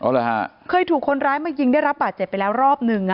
เลยฮะเคยถูกคนร้ายมายิงได้รับบาดเจ็บไปแล้วรอบหนึ่งอ่ะ